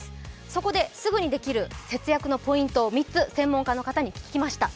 そこですぐにできる節約のポイントを３つ、専門家の方に聞きました。